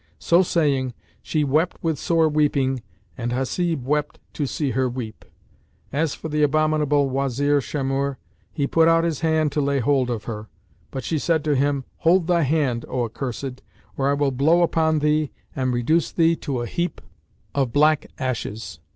So saying, she wept with sore weeping and Hasib wept to see her weep. As for the abominable Wazir Shamhur; he put out his hand to lay hold of her; but she said to him, "Hold thy hand, O accursed, or I will blow upon thee and reduce thee to a heap of black ashes."